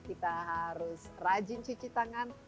kita harus rajin cuci tangan